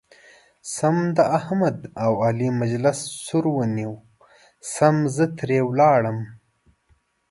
سم د احمد او علي مجلس سور ونیو سم زه ترې ولاړم.